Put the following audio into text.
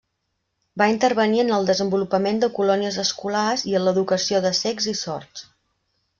Va intervenir en el desenvolupament de colònies escolars i en l'educació de cecs i sords.